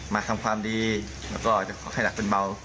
มาทำความดีแล้วก็จะขอให้หนักเป็นเบา